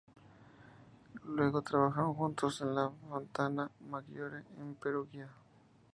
Luego trabajaron juntos en la Fontana Maggiore en Perugia.